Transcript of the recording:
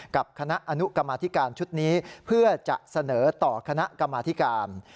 กับคณะอนุกรรมธิการชุดนี้เพื่อจะเสนอต่อคณะกรรมธิการ